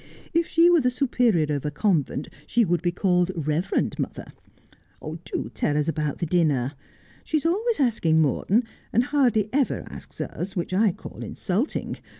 If she were the superior of a convent she would be called Reverend Mother. Do tell us about the dinner. She is always asking Morton, and hardly ever asks us, which I call insulting.